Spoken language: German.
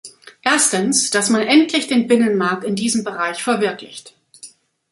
Erstens, dass man endlich den Binnenmarkt in diesem Bereich verwirklicht.